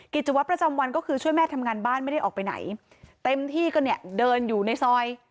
กิจวัตรประจำวันก็คือช่วยแม่ทำงานบ้านไม่ได้ออกไปไหนเต็มที่ก็เนี่ยเดินอยู่ในซอย